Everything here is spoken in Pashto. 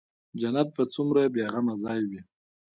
جنت به څومره بې غمه ځاى وي.